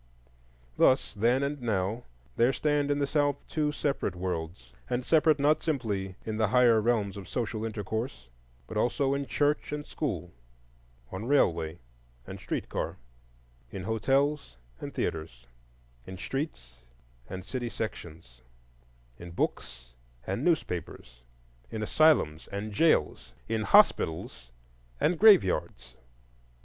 Thus, then and now, there stand in the South two separate worlds; and separate not simply in the higher realms of social intercourse, but also in church and school, on railway and street car, in hotels and theatres, in streets and city sections, in books and newspapers, in asylums and jails, in hospitals and graveyards.